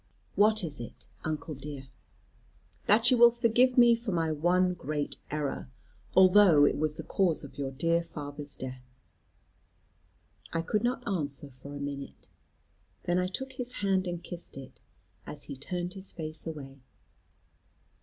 "What is it, uncle dear?" "That you will forgive me for my one great error. Although it was the cause of your dear father's death." I could not answer, for a minute. Then I took his hand and kissed it, as he turned his face away.